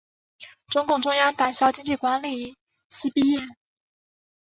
中共中央党校经济管理系毕业。